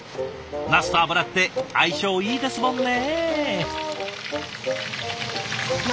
なすと油って相性いいですもんね！